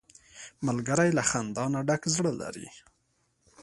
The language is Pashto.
ملګری له خندا نه ډک زړه لري